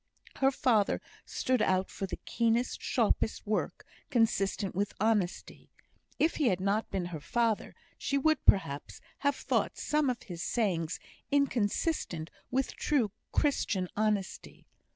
Her father stood out for the keenest, sharpest work, consistent with honesty; if he had not been her father she would, perhaps, have thought some of his sayings inconsistent with true Christian honesty.